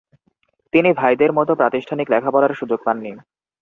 তিনি ভাইদের মত প্রাতিষ্ঠানিক লেখাপড়ার সুযোগ পাননি।